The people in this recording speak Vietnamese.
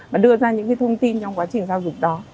và đưa ra những thông tin trong quá trình giao dịch đó